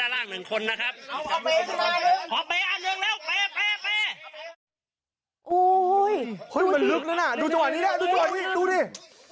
โอ้ยมันลึกเลยน่ะดูจงอันนี้ดูดิ